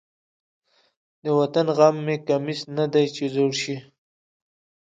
د وطن غم مې کمیس نه دی چې زوړ شي.